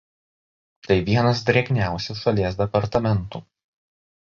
Tai vienas drėgniausių šalies departamentų.